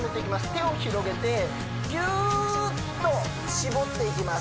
手を広げてぎゅーっと絞っていきます